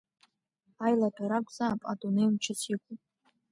Аилаҭәара акәзаап адунеи мчыс иқәу!